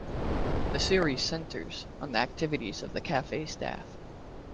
The series centres on the activities of the cafe staff.